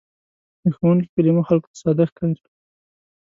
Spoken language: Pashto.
د ښوونکي کلمه خلکو ته ساده ښکاري.